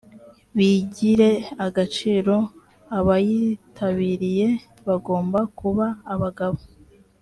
bigire agaciro abayitabiriye bagomba kuba abagabo